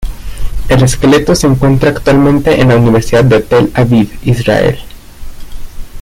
El esqueleto se encuentra actualmente en la Universidad de Tel Aviv, Israel.